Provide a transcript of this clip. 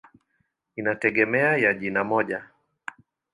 Inategemea ya jina moja.